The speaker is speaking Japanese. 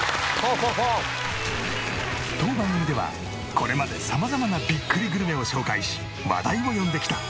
当番組ではこれまで様々なびっくりグルメを紹介し話題を呼んできた。